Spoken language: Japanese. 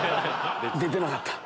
出てなかった。